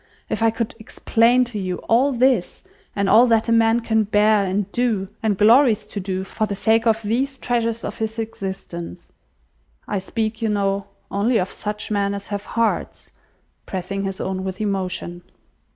If I could explain to you all this, and all that a man can bear and do, and glories to do, for the sake of these treasures of his existence! I speak, you know, only of such men as have hearts!" pressing his own with emotion.